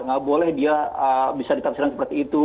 nggak boleh dia bisa ditafsirkan seperti itu